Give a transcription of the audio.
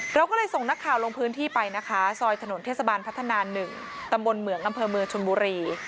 เราก็เลยส่งนักข่าวลงพื้นที่ไปนะคะซอยถนนเทศบาลพัฒนา๑ตำบลเหมืองอำเภอเมืองชนบุรี